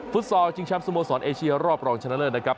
ฟุตซอลด์จิงช้ำสมสรค์เอเชียรอบรองชนะเลิศนะครับ